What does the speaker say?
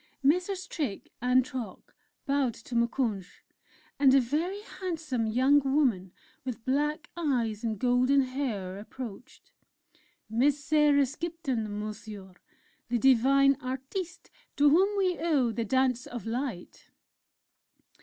Messrs. Trick and Trock bowed to Moukounj, and a very handsome young woman with black eyes and golden hair approached: "Miss Sarah Skipton, Monsieur the divine Artiste to whom we owe the 'Dance of Light'."